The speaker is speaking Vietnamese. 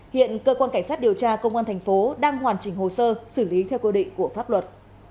hiện cơ quan cảnh sát điều tra công an thành phố đang hoàn chỉnh hồ sơ xử lý theo quy định của pháp luật